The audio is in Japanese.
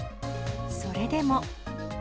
それでも。